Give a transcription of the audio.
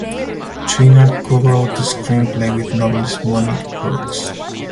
Chouinard cowrote the screenplay with novelist Monique Proulx.